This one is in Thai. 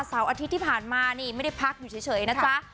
อาทิตย์ที่ผ่านมานี่ไม่ได้พักอยู่เฉยนะจ๊ะ